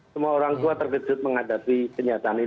semua orang tua terkejut menghadapi kenyataan itu